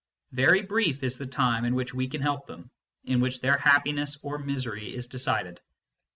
Very brief is the time in which we can help them, in which their happiness or misery is decided.